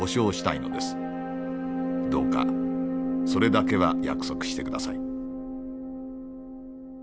どうかそれだけは約束して下さい」。